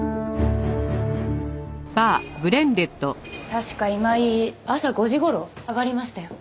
確か今井朝５時頃上がりましたよ。